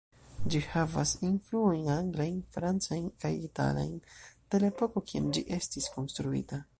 Ĝi havas influojn anglajn, francajn kaj italajn, de la epoko kiam ĝi estis konstruita.